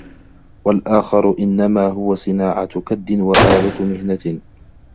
وَالْآخَرُ إنَّمَا هُوَ صِنَاعَةُ كَدٍّ وَآلَةُ مِهْنَةٍ